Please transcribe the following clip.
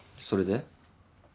それで？